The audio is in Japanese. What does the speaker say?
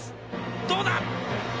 どうだ？